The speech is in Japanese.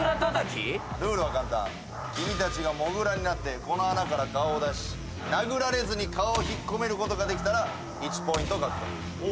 君たちがモグラになってこの穴から顔を出し殴られずに顔を引っ込めることができたら１ポイント獲得。